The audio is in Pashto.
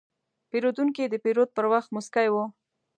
پیرودونکی د پیرود پر وخت موسکی و.